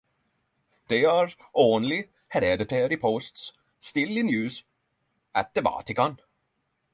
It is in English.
They are the only hereditary posts still in use at the Vatican.